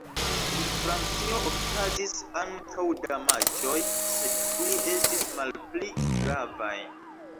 En Francio okazis ankaŭ damaĝoj, sed ili estis malpli gravaj.